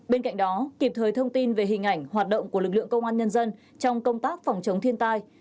bên cạnh đó kịp thời thông tin về hình ảnh hoạt động của lực lượng công an nhân dân trong công tác phòng chống thiên tai